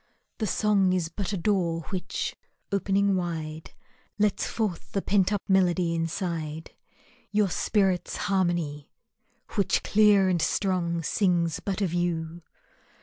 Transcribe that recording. The song is but a door which, opening wide, Lets forth the pent up melody inside, Your spirit's harmony, which clear and strong Sings but of you.